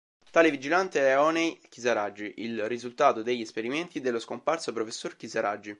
Tale vigilante è Honey Kisaragi, il risultato degli esperimenti dello scomparso professor Kisaragi.